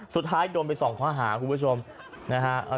สุดท้ายโดนไป๒ข้อหาคุณผู้ชมนะฮะ